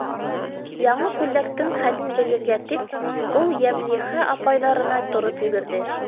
Яңы күлдәктең хәлен белергә тип, ул Йәмлиха апайҙарына тороп йүгерҙе.